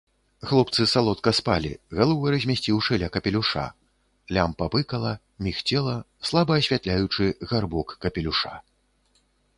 Хлопцы салодка спалі, галовы размясціўшы ля капелюша, лямпа пыкала, мігцела, слаба асвятляючы гарбок капелюша.